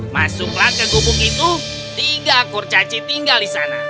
masuklah ke gubuk itu tiga kurcaci tinggal di sana